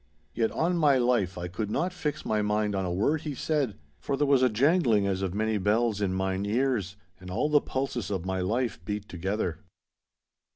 Yet, on my life I could not fix my mind on a word he said, for there was a jangling as of many bells in mine ears, and all the pulses of my life beat together.